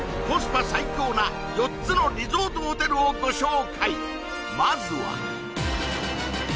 コスパ最強な４つのリゾートホテルをご紹介まずは